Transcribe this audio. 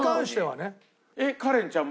えっカレンちゃんも。